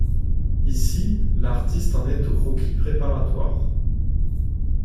Ici, l'artiste en est au croquis préparatoire.